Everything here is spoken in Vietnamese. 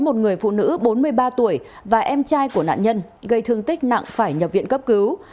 một người phụ nữ bốn mươi ba tuổi và em trai của nạn nhân gây thương tích nặng phải nhập viện cấp cứu